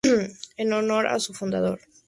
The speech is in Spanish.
En honor a su fundador.